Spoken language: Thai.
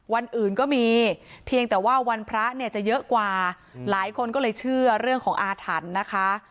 วันอื่นก็มีเพียงแต่ว่าวันพระเนี่ยจะเยอะกว่าหลายคนก็เลยเชื่อเรื่องของอาถรรพ์นะคะ